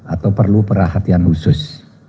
atau perlu perhatian khusus